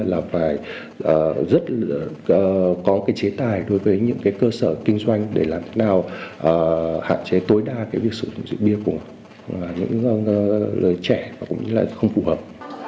là phải rất có chế tài đối với những cơ sở kinh doanh để làm thế nào hạn chế tối đa việc sử dụng rượu bia của những lời trẻ và cũng như là không phù hợp